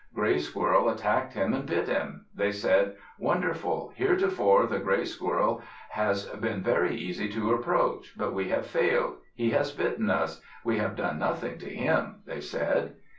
Gray Squirrel attacked him and bit him. They said, "Wonderful! Heretofore the gray squirrel has been very easy to approach, but we have failed. He has bitten us; we have done nothing to him," they said.